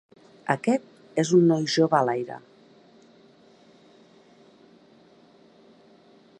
Aquest és un noi jove a l'aire.